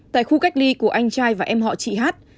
tại khu cách ly của anh trai và em họ chị hát